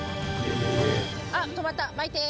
あっ止まった巻いて。